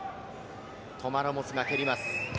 トマ・ラモスが蹴ります。